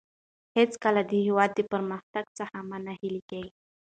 هېڅکله د هېواد د پرمختګ څخه مه ناهیلي کېږئ.